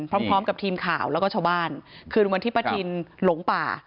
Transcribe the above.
พร้อมกับทีมข่าวแล้วก็ชาวบ้านคืนวันที่ป้าทินหลงป่า